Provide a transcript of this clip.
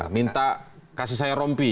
minta kasih saya rompi